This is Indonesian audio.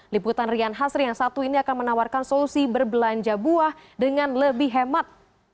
liputan rian hasri yang satu ini akan menawarkan solusi berbelanja buah dengan lebih hemat